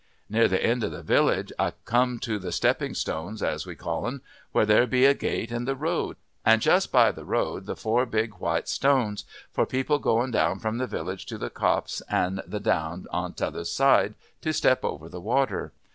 Near th' end of the village I come to the stepping stones, as we call 'n, where there be a gate and the road, an' just by the road the four big white stones for people going from the village to the copse an' the down on t'other side to step over the water.